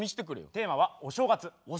テーマは「お正月」。